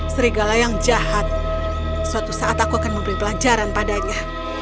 serigala yang jahat suatu saat aku akan memberi pelajaran padanya